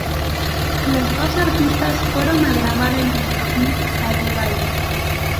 Las dos artistas fueron a grabar el videoclip a Dubai.